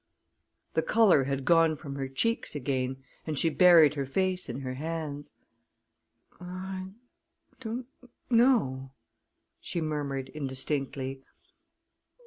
The color had gone from her cheeks again, and she buried her face in her hands. "I don't know," she murmured indistinctly.